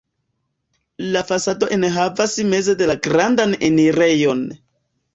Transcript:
La fasado enhavas meze la grandan enirejon.